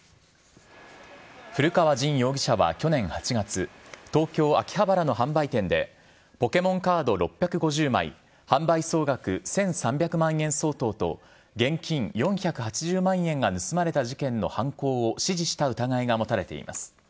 古川刃容疑者は去年８月東京・秋葉原の販売店でポケモンカード６５０枚販売総額１３００万円相当と現金４８０万円が盗まれた事件の犯行を指示した疑いが持たれています。